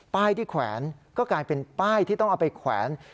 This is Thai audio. ป้ายที่แขวนก็กลายเป็นป้ายที่ต้องเอาไปแขวน